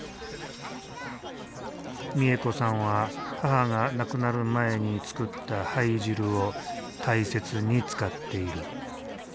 美恵子さんは母が亡くなる前に作った灰汁を大切に使っている。